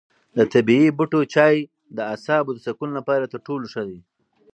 د طبیعي بوټو چای د اعصابو د سکون لپاره تر ټولو ښه دی.